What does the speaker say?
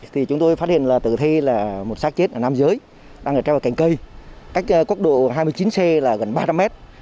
thì chúng tôi phát hiện là tử thi là một sát chết ở nam giới đang ở trong cành cây cách quốc độ hai mươi chín c là gần ba trăm linh mét